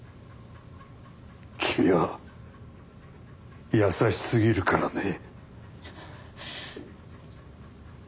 君は優しすぎるからね。